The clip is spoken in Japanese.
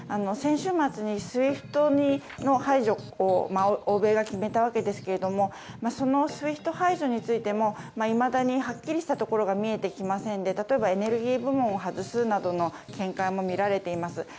先週末にＳＷＩＦＴの排除を欧米が決めたわけですけどもそのＳＷＩＦＴ排除についてもいまだにはっきりしたところが見えてきませんで例えばエネルギー部門を外すなどの見解も見られています。